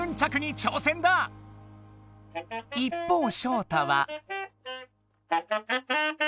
一方ショウタは。